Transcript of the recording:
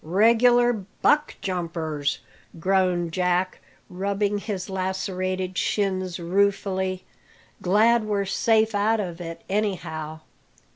"Regular buck jumpers!" groaned Jack, rubbing his lacerated shins ruefully. "Glad we're safe out of it, anyhow."